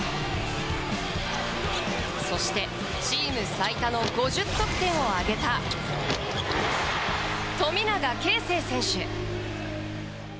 そして、チーム最多の５０得点を挙げた富永啓生選手。